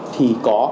thì có ba học sinh